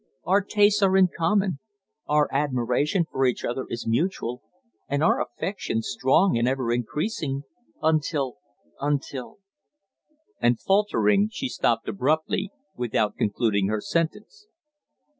Our tastes are in common, our admiration for each other is mutual, and our affection strong and ever increasing until until " And faltering, she stopped abruptly, without concluding her sentence.